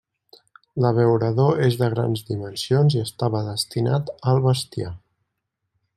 L'abeurador és de grans dimensions i estava destinat al bestiar.